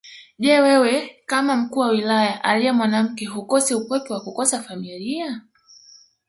Je wewe kama mkuu wa Wilaya aliye mwanamke hukosi upweke wa kukosa familia